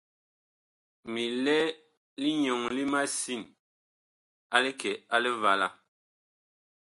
Mi lɛ linyɔŋ li masin a likɛ a Livala.